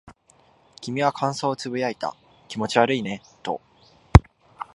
君は感想を呟いた。気持ち悪いねと。